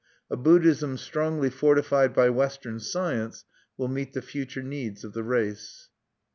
A Buddhism strongly fortified by Western science will meet the future needs of the race.